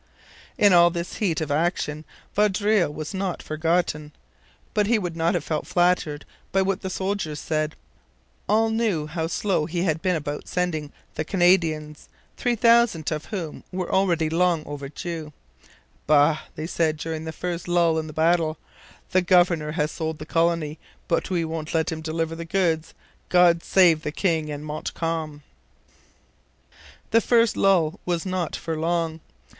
In all this heat of action Vaudreuil was not forgotten; but he would not have felt flattered by what the soldiers said. All knew how slow he had been about sending the Canadians, 3,000 of whom were already long overdue. 'Bah!' they said during the first lull in the battle; 'the governor has sold the colony; but we won't let him deliver the goods! God save the King and Montcalm!' This first lull was not for long.